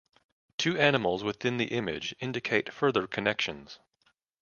Two animals within the image indicate further connections.